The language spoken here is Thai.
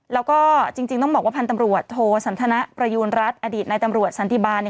แล้วก็จริงต้องบอกว่าพันธ์ตำรวจโทสันทนะประยูณรัฐอดีตในตำรวจสันติบาล